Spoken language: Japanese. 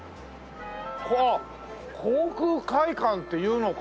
あっ航空会館っていうのか！